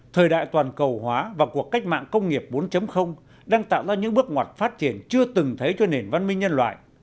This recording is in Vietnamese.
thời đại toàn cầu hóa và cuộc cách mạng công nghiệp bốn đang tạo ra những bước ngoặt phát triển chưa từng thấy cho nền văn minh nhân loại